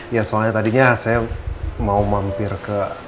ya soalnya tadinya saya mau mampir ke